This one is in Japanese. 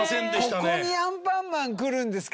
ここに『アンパンマン』くるんですか。